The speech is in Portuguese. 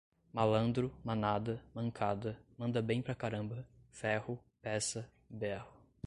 malandro, manada, mancada, manda bem pra caramba, ferro, peça, berro